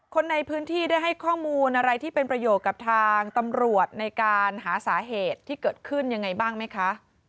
คนในพื้นที่ได้ให้ข้อมูลอะไรที่เป็นประโยชน์กับทางตำรวจในการหาสาเหตุที่เกิดขึ้นยังไงบ้างไหมคะ